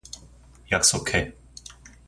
약속해.